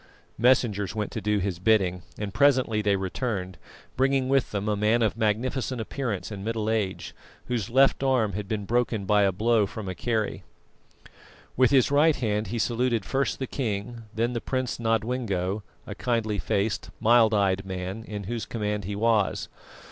Messengers went to do his bidding, and presently they returned, bringing with them a man of magnificent appearance and middle age, whose left arm had been broken by a blow from a kerry. With his right hand he saluted first the king, then the Prince Nodwengo, a kindly faced, mild eyed man, in whose command he was.